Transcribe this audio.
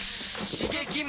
刺激！